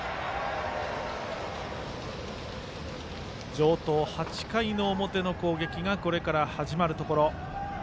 城東、８回の表の攻撃がこれから始まるところ。